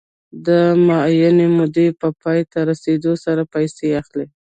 د معینې مودې په پای ته رسېدو سره پیسې اخلي